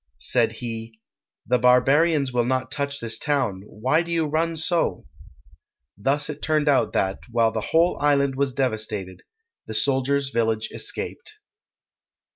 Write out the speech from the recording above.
Said he, "The barbarians will not touch this town; why do you run so?" Thus it turned out that, while the whole island was devastated, the soldier's village escaped.